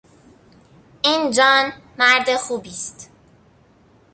این جان مرد خوبی است.